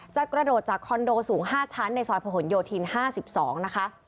จะกระโดดจากคอนโดสูงห้าชั้นในซอยผนโยธินห้าสิบสองนะคะ